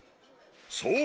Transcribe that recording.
そう！